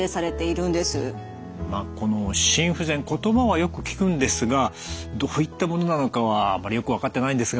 まあこの心不全言葉はよく聞くんですがどういったものなのかはあまりよく分かってないんですが。